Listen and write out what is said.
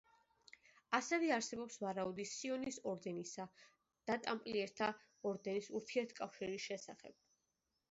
ასევე არსებობს ვარაუდი სიონის ორდენისა და ტამპლიერთა ორდენის ურთიერთკავშირის შესახებ.